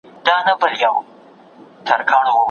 غڼي زهر لري .